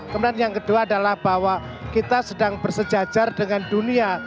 kemudian yang kedua adalah bahwa kita sedang bersejajar dengan dunia